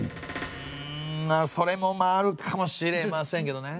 うんそれもあるかもしれませんけどね。